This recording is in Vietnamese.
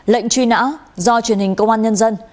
lệnh truy nã do truyền hình công an nhân dân